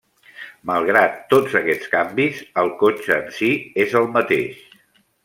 Malgrat tots aquests canvis, el cotxe en si és el mateix.